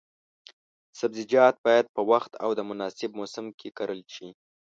سبزیجات باید په وخت او د مناسب موسم کې کرل شي.